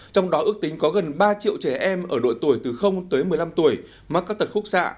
trong đó ước tính có gần ba triệu trẻ em ở độ tuổi từ tới một mươi năm tuổi mắc các tật khúc xạ